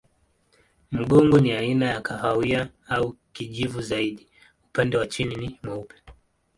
Mgongo ni aina ya kahawia au kijivu zaidi, upande wa chini ni mweupe.